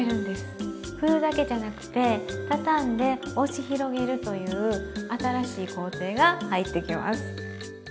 ふるだけじゃなくてたたんで押し広げるという新しい工程が入ってきます。